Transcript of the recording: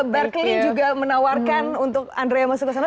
berklin juga menawarkan untuk andrea masuk ke sana